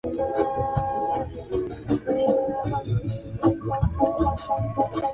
Wawekezaji wakija watu wengi watapata ajira